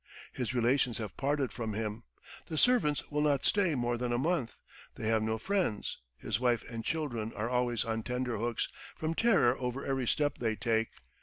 His relations have parted from him, the servants will not stay more than a month; they have no friends; his wife and children are always on tenterhooks from terror over every step they take.